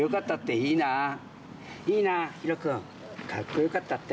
いいなあひろくん「かっこよかった」って。